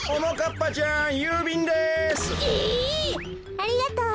ありがとう。